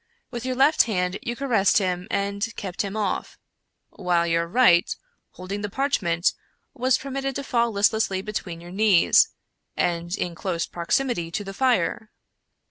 With your left hand you caressed him and kept him off, while your right, holding the parchment, was per mitted to fall listlessly between your knees, and in close proximity to the fire.